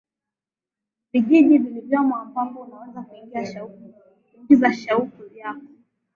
vijiji vilivyomo ambapo unaweza kuingiza shauku yako